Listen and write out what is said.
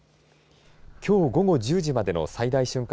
きょう午後１０時までの最大瞬間